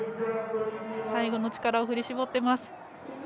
最後の力を振り絞ってます。